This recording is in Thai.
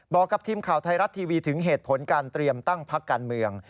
บอกกับทีมข่าวไทยรัฐทีวีถึงเหตุผลการเตรียมตั้งพักการเมือง